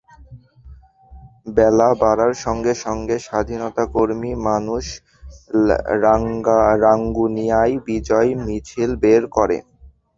বেলা বাড়ার সঙ্গে সঙ্গে স্বাধীনতাকামী মানুষ রাঙ্গুনিয়ায় বিজয় মিছিল বের করে।